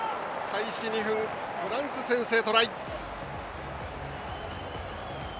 開始２分、フランス先制トライ！